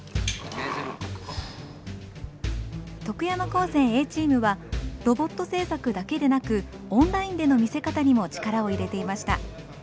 徳山高専Ａチームはロボット製作だけでなくオンラインでの見せ方にも力を入れていました。